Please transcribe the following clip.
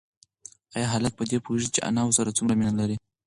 ایا هلک په دې پوهېږي چې انا ورسره څومره مینه لري؟